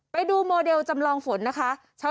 โมเดลจำลองฝนนะคะ